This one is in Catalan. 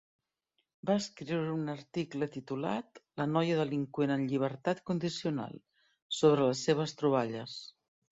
Va escriure un article titulat "La noia delinqüent en llibertat condicional" sobre les seves troballes.